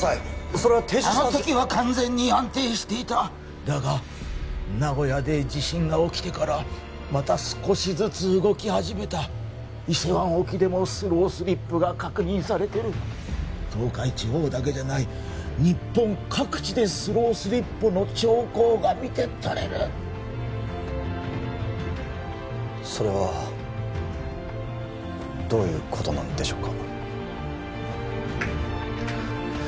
それは停止したはずあの時は完全に安定していただが名古屋で地震が起きてからまた少しずつ動き始めた伊勢湾沖でもスロースリップが確認されてる東海地方だけじゃない日本各地でスロースリップの兆候が見てとれるそれはどういうことなんでしょうか？